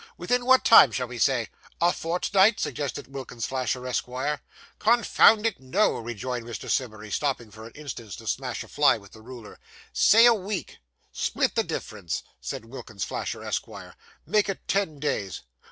Within what time shall we say?' 'A fortnight?' suggested Wilkins Flasher, Esquire. 'Con found it, no,' rejoined Mr. Simmery, stopping for an instant to smash a fly with the ruler. 'Say a week.' 'Split the difference,' said Wilkins Flasher, Esquire. 'Make it ten days.